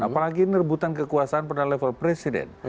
apalagi ini rebutan kekuasaan pada level presiden